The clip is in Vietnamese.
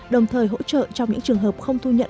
đồng thời hỗ trợ trong những trường hợp không thu nhận